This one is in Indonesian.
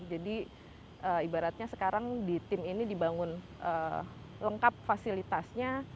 jadi ibaratnya sekarang di tim ini dibangun lengkap fasilitasnya